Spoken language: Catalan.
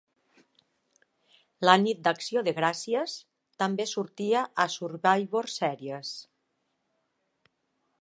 La nit d'acció de gràcies, també sortia a Survivor Series.